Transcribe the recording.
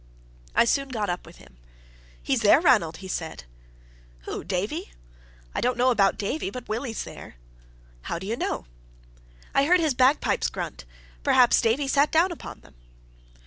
I soon got up with him. "He's there, Ranald!" he said. "Who? Davie?" "I don't know about Davie; but Willie's there." "How do you know?" "I heard his bagpipes grunt. Perhaps Davie sat down upon them."